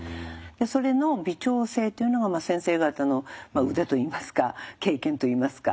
それの微調整というのが先生方の腕といいますか経験といいますか。